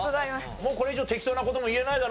もうこれ以上適当な事も言えないだろ？